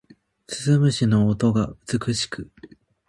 鈴虫の音が美しく